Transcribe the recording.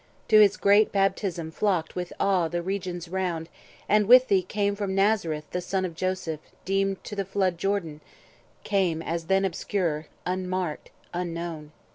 To his great baptism flocked With awe the regions round, and with them came From Nazareth the son of Joseph deemed To the flood Jordan—came as then obscure, Unmarked, unknown.